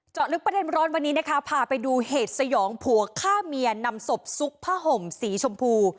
ลึกประเด็นร้อนวันนี้นะคะพาไปดูเหตุสยองผัวฆ่าเมียนำศพซุกผ้าห่มสีชมพู